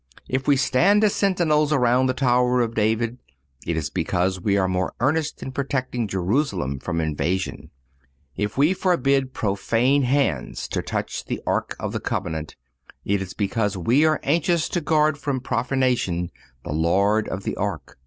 If we stand as sentinels around the tower of David, it is because we are more earnest in protecting Jerusalem from invasion. If we forbid profane hands to touch the ark of the covenant, it is because we are anxious to guard from profanation the Lord of the ark.